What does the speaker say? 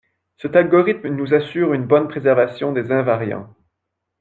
Cet algorithme nous assure une bonne préservation des invariants